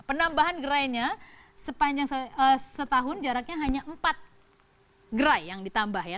penambahan gerainya sepanjang setahun jaraknya hanya empat gerai yang ditambah ya